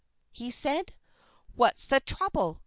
he said. "What's the trouble?